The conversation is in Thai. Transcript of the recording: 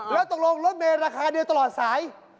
แล้วตรงรวมรถเปลราคาเดียวตลอดสาย